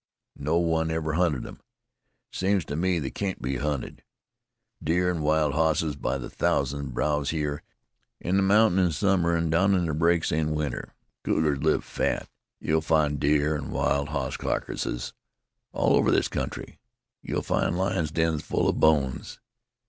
No one ever hunted 'em. It seems to me they can't be hunted. Deer and wild hosses by the thousand browse hyar on the mountain in summer, an' down in the breaks in winter. The cougars live fat. You'll find deer and wild hoss carcasses all over this country. You'll find lions' dens full of bones.